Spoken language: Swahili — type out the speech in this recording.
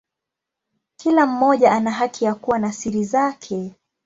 Kila mmoja ana haki ya kuwa na siri zake.